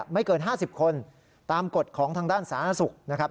ไม่เกิน๕๐คนตามกฎของทางด้านสาธารณสุขนะครับ